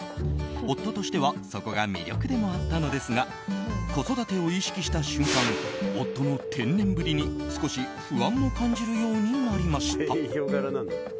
夫としてはそこが魅力でもあったのですが子育てを意識した瞬間夫の天然ぶりに少し不安も感じるようになりました。